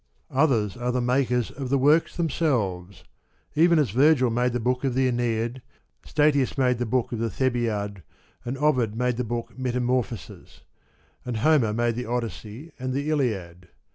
Others are the makers of 132 the works themselves, even as Virgil made the book of the JEne'idy Statius made the book of the Thebaid, and Ovid made the book Metamorphoseos, and Homer made the Odyssey and the Iliad.